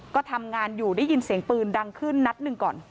ก็ทำงานอยู่ได้ยินเสียงปืนดังขึ้นนัดหนึ่งก่อน